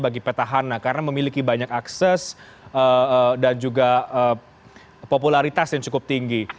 bagi petahana karena memiliki banyak akses dan juga popularitas yang cukup tinggi